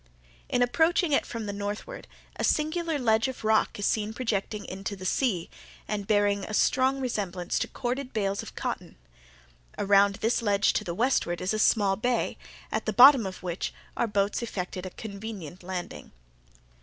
In approaching it from the northward, a singular ledge of rock is seen projecting into the sea, and bearing a strong resemblance to corded bales of cotton. Around this ledge to the westward is a small bay, at the bottom of which our boats effected a convenient landing.